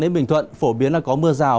đến bình thuận phổ biến là có mưa rào